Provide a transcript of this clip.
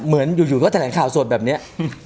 เหมือนอยู่ก็แถลงข่าวสดแบบนี้